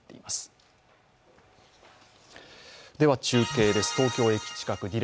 中継です、東京駅近く。